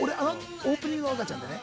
オープニングの若ちゃんでね